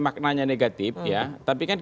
maknanya negatif ya tapi kan